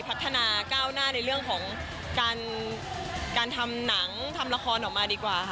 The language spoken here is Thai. พัฒนาก้าวหน้าในเรื่องของการทำหนังทำละครออกมาดีกว่าค่ะ